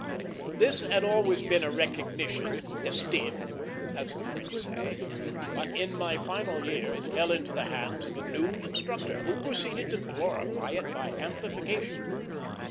This had always had a recognition d'estime, as the French say; but in my final year it fell into the hands of a new instructor, who proceeded to glorify it by amplification.